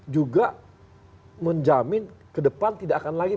juga menjamin ke depan tidak akan lagi